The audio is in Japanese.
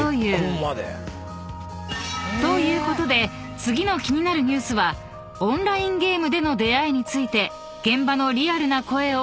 ということで次の気になるニュースはオンラインゲームでの出会いについて現場のリアルな声を調査］